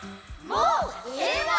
もうええわ！